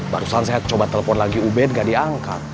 barusan saya coba telepon lagi ubed gak diangkat